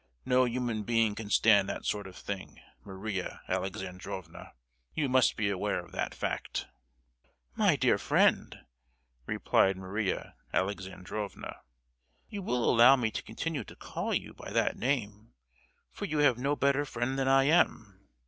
No human being can stand that sort of thing, Maria Alexandrovna! You must be aware of that fact!" "My dear friend," replied Maria Alexandrovna—"you will allow me to continue to call you by that name, for you have no better friend than I am!